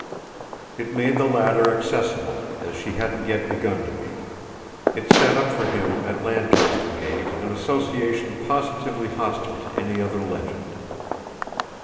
It made the latter accessible as she hadn't yet begun to be; it set up for him at Lancaster Gate an association positively hostile to any other legend.